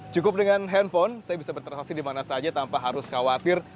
cukup dengan handphone saya bisa bertransaksi di mana saja tanpa harus khawatir